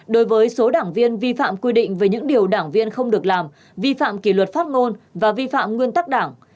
đối với số đảng viên vi phạm quy định về những điều đảng viên không được làm vi phạm kỷ luật phát ngôn và vi phạm nguyên tắc đảng